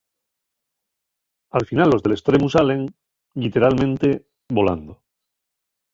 Al final los del estremu salen, lliteralmente, volando.